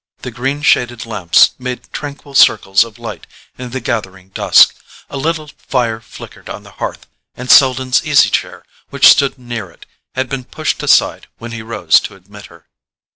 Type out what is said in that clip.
The green shaded lamps made tranquil circles of light in the gathering dusk, a little fire flickered on the hearth, and Selden's easy chair, which stood near it, had been pushed aside when he rose to admit her.